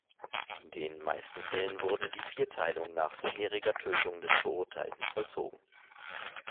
In den meisten Fällen wurde die Vierteilung nach vorheriger Tötung des Verurteilten vollzogen.